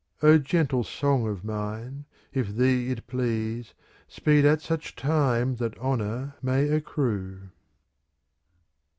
O gentle song of mine, if thee it please. Speed at such time that honour may accrue.